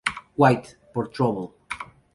White' por Trouble